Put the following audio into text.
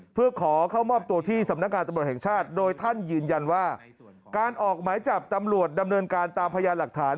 เพื่อขอเข้ามอบตัวที่สำนักงานตำรวจแห่งชาติโดยท่านยืนยันว่าการออกหมายจับตำรวจดำเนินการตามพยานหลักฐาน